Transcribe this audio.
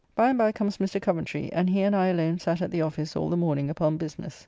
By and by comes Mr. Coventry, and he and I alone sat at the office all the morning upon business.